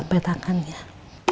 tengok tengok tengok